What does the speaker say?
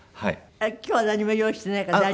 今日は何も用意していないから大丈夫。